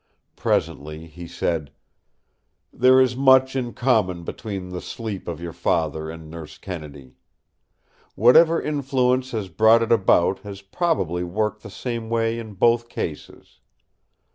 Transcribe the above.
Presently he said: "There is much in common between the sleep of your Father and Nurse Kennedy. Whatever influence has brought it about has probably worked the same way in both cases.